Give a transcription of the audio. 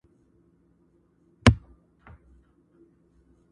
زما ژوندون د ده له لاسه په عذاب دی؛